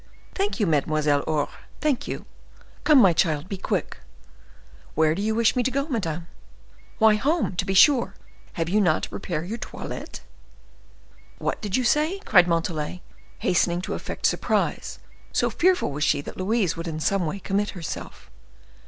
"Thank you, Mademoiselle Aure—thank you. Come, my child, be quick." "Where do you wish me to go, madame?" "Why, home, to be sure; have you not to prepare your toilette?" "What did you say?" cried Montalais, hastening to affect surprise, so fearful was she that Louise would in some way commit herself.